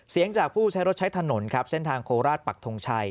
เสียงจากผู้ใช้รถใช้ถนนครับเส้นทางโคราชปักทงชัย